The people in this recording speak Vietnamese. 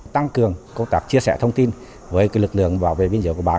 tăng cường công tác chia sẻ thông tin với lực lượng bảo vệ biên giới của bạn